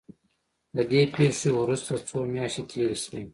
له دې پېښې وروسته څو مياشتې تېرې شوې.